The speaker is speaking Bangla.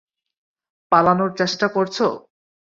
পালানোর চেষ্টা করছো।